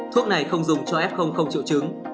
thuốc này không dùng cho f không triệu chứng